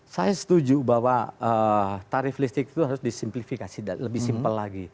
saya setuju bahwa tarif listrik itu harus disimplifikasi lebih simpel lagi